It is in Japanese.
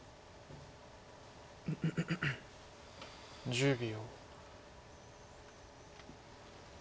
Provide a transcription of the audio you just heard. １０秒。